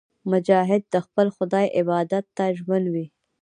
مجاهد د خپل خدای عبادت ته ژمن وي.